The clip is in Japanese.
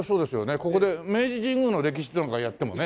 ここで明治神宮の歴史とかやってもねハハハ！